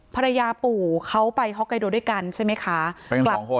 ภรรยาปู่เขาไปฮอกไกโดด้วยกันใช่ไหมคะ